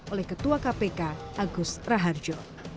oleh ketua kpk agus raharjo